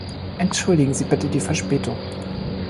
Entschuldigen Sie bitte die Verspätung.